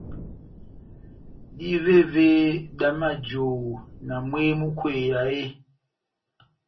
Dívévé dá majohó na mwehé múkweyaha eeeh ?